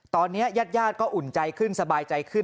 ตอนนี้ญาติก็อุ่นใจขึ้นสบายใจขึ้น